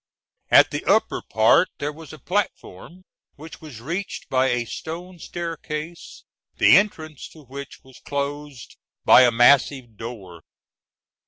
At the upper part there was a platform, which was reached by a stone staircase, the entrance to which was closed by a massive door (Fig.